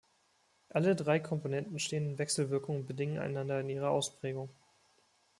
Alle drei Komponenten stehen in Wechselwirkung und bedingen einander in ihrer Ausprägung.